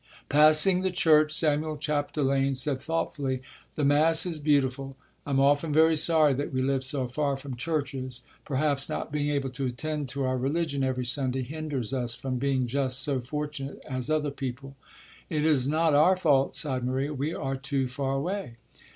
Passing the church, Samuel Chapdelaine said thoughtfully "The mass is beautiful. I am often very sorry that we live so far from churches. Perhaps not being able to attend to our religion every Sunday hinders us from being just so fortunate as other people." "It is not our fault," sighed Maria, "we are too far away."